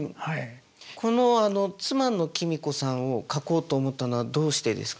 この妻の君子さんを描こうと思ったのはどうしてですか？